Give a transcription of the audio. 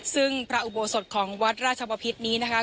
ซึ่งพระอุโบสถของวัดราชบพิษนี้นะคะ